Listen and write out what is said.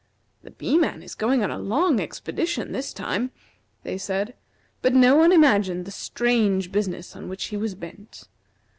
"The Bee man is going on a long expedition this time," they said; but no one imagined the strange business on which he was bent.